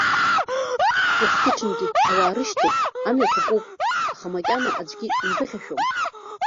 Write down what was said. Уахгьы-ҽынгьы ауаа рышьҭоуп, амҩақәа куп, аха макьана аӡәгьы имԥыхьашәом.